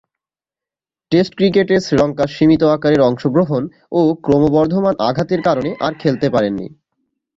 Test ক্রিকেটে শ্রীলঙ্কার সীমিত আকারের অংশগ্রহণ ও ক্রমবর্ধমান আঘাতের কারণে আর খেলতে পারেননি।